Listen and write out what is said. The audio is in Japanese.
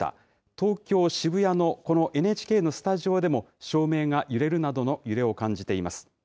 東京・渋谷のこのＮＨＫのスタジオでも、照明が揺れるなどの揺れを感じています。